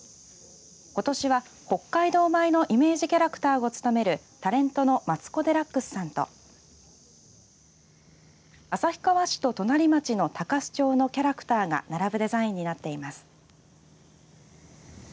ことしは北海道米のイメージキャラクターを務めるタレントのマツコ・デラックスさんと旭川市と隣町の鷹栖町のキャラクターが並ぶデザインになっています。